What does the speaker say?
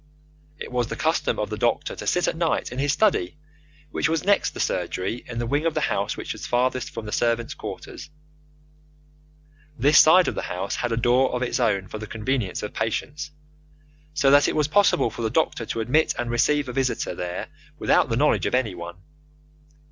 It was the custom of the doctor to sit at night in his study, which was next the surgery in the wing of the house which was farthest from the servants' quarters. This side of the house had a door of its own for the convenience of patients, so that it was possible for the doctor to admit and receive a visitor there without the knowledge of anyone.